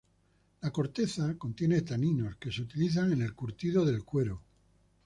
La corteza contiene taninos, que se utilizan en el curtido del cuero.